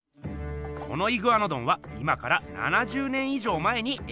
このイグアノドンは今から７０年以上前に描かれました。